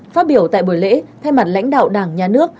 phát biểu tại buổi lễ thay mặt lãnh đạo đảng nhà nước